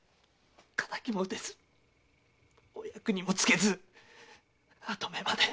仇も討てずお役にもつけず跡目まで！